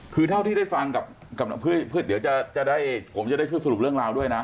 คือเท่าที่ได้ฟังกับพืชเดี๋ยวผมได้ช่วยสรุปเรื่องราวด้วยนะ